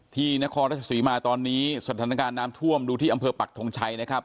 นครราชสีมาตอนนี้สถานการณ์น้ำท่วมดูที่อำเภอปักทงชัยนะครับ